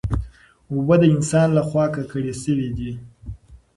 اوبه د انسان له خوا ککړې شوې دي.